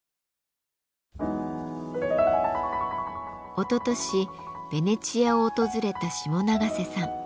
おととしベネチアを訪れた下永瀬さん。